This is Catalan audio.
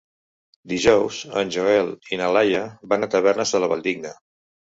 Dijous en Joel i na Laia van a Tavernes de la Valldigna.